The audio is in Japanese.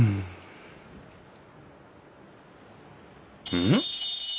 うん？